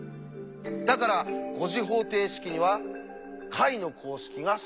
だから５次方程式には解の公式が存在しない。